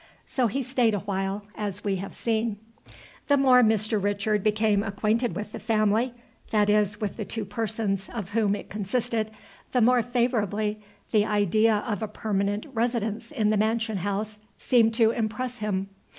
So he stayed awhile, as we have seen. The more Mr. Richard became acquainted with the family, that is, with the two persons of whom it consisted, the more favorably the idea of a permanent residence in the mansion house seemed to impress him.